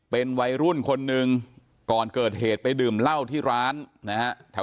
เป็นวัยรุ่นคนหนึ่งก่อนเกิดเหตุไปดื่มเหล้าที่ร้านนะฮะ